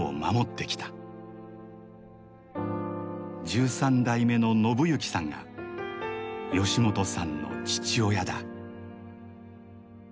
１３代目の信幸さんが吉本さんの父親だ。